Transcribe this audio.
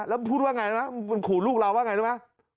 แล้วพูดว่าอย่างไรนะมันขูดลูกเราว่าอย่างไรรึไหม